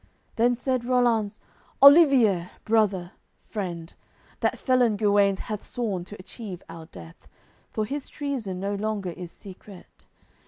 Then said Rollanz: "Olivier, brother, friend, That felon Guenes hath sworn to achieve our death; For his treason no longer is secret.